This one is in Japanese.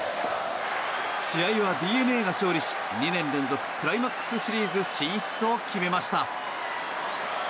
試合はＤｅＮＡが勝利し２年連続クライマックスシリーズ進出を決めました。